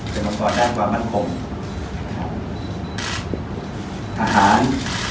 เป็นองค์กรแห่งความมันคมอาหาร